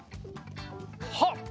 はっ！